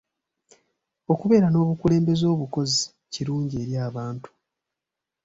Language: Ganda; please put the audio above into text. Okubeera n'obukulembeze obukozi kirungi eri abantu.